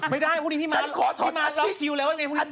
ไม่ได้พรุ่งนี้พี่มาเราคิวแล้วว่าไงพรุ่งนี้